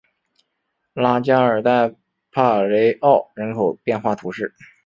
拉加尔代帕雷奥人口变化图示